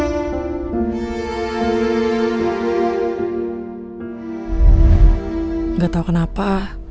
nggak tau kenapa